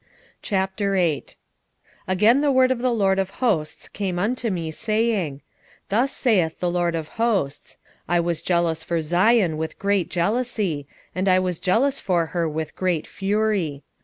8:1 Again the word of the LORD of hosts came to me, saying, 8:2 Thus saith the LORD of hosts; I was jealous for Zion with great jealousy, and I was jealous for her with great fury.